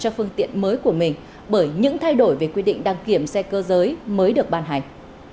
cho phương tiện mới của mình bởi những thay đổi về quy định đăng kiểm xe cơ giới mới được ban hành